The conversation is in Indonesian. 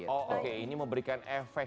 oh oke ini memberikan efek